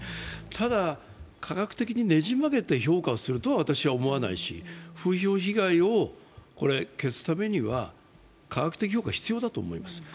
ただ、科学的にねじ曲げて評価をするとは私は思わないし風評被害を消すためには科学的評価が必要だと思います。